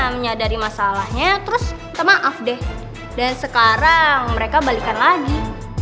menyadari masalahnya terus kita maaf deh dan sekarang mereka balikan lagi